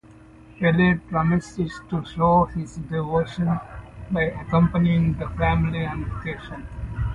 Elliot promises to show his devotion by accompanying the family on vacation.